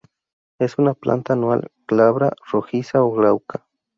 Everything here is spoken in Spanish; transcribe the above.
Es una planta anual, glabra, rojiza o glauca.